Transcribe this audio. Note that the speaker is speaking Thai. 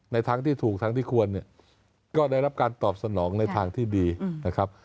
ทางที่ถูกทางที่ควรเนี่ยก็ได้รับการตอบสนองในทางที่ดีนะครับ